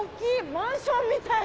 マンションみたい！